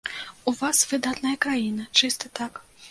У вас выдатная краіна, чыста так.